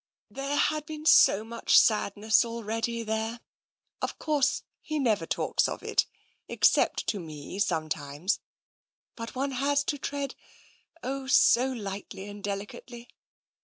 " There had been so much sadness already, there — of course, he never talks of it, except to me some times — but one has to tread, oh so lightly and deli cately!